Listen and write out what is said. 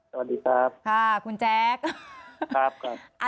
สวัสดีครับค่ะคุณแจ๊คครับ